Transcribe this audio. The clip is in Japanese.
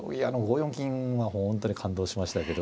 四銀は本当に感動しましたけど。